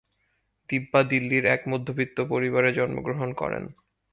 দিব্যা দিল্লীর এক মধ্যবিত্ত পরিবারে জন্মগ্রহণ করেন।